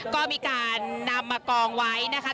ก็มีการนำมากองไว้นะคะ